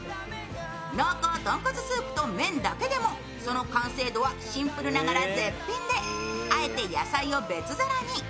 濃厚豚骨スープと麺だけでも、その完成度はシンプルながら絶品であえて野菜を別皿に。